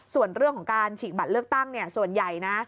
ส่วนเรื่องของการฉีกบัตรเลือกตั้งส่วนใหญ่นะ